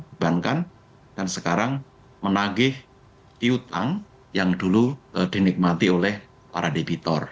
bebankan dan sekarang menagih tiutang yang dulu dinikmati oleh para debitor